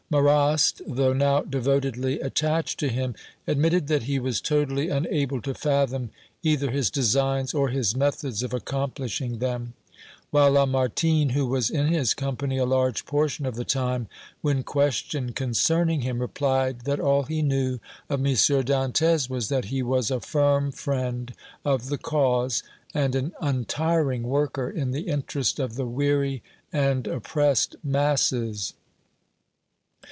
Marrast, though now devotedly attached to him, admitted that he was totally unable to fathom either his designs, or his methods of accomplishing them, while Lamartine, who was in his company a large portion of the time, when questioned concerning him, replied that all he knew of M. Dantès was that he was a firm friend of the cause and an untiring worker in the interest of the weary and oppressed masses.